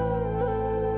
aku terlalu berharga